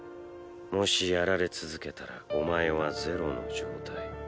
もしやられ続けたらお前はゼロの状態